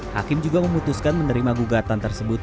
hakim juga memutuskan menerima gugatan tersebut